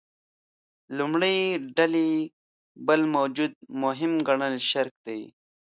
لومړۍ ډلې بل موجود مهم ګڼل شرک دی.